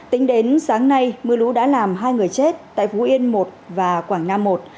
tính đến sáng nay mưa lũ đã làm hai người chết tại phú yên một và quảng nam một